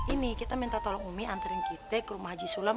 ini kita minta tolong umi anterin kita ke rumah haji sulam